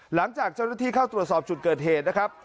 หลังจากเจ้าหน้าที่เข้าตรวจสอบจุดเกิดเหตุนะครับ